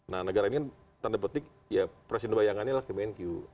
nah negara ini kan tanda petik ya presiden bayangannya lah kemenq